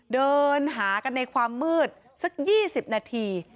เดินหากันในความมืดสัก๒๐นาที